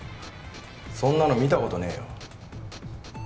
そんなの見たことねえよ。